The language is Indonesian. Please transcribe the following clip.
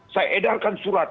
saya edarkan surat